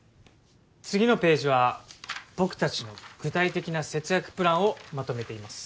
次のページは僕たちの具体的な節約プランをまとめています。